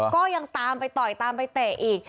ก็ยังตามไปต่อยตามไปเตะอีก